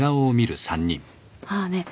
あっねえ